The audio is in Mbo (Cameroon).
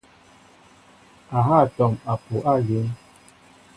A ha atɔm apuʼ alín.